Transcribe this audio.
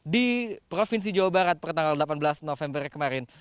di provinsi jawa barat pertanggal delapan belas november kemarin